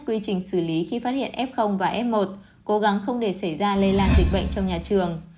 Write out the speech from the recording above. quy trình xử lý khi phát hiện f và f một cố gắng không để xảy ra lây lan dịch bệnh trong nhà trường